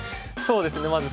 そうですね